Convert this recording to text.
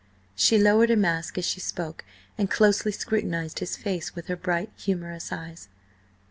She lowered her mask as she spoke and closely scrutinised his face with her bright, humorous eyes.